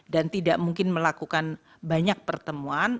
dan tidak mungkin melakukan banyak pertemuan